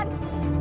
hai kalian semua